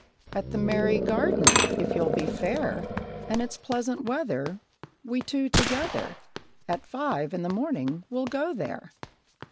"At the Merry Garden; if you'll be fair, And it's pleasant weather, We two together At five in the morning will go there."